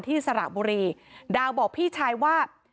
ที่สลากบุรีเดาบอกพี่ชายว่า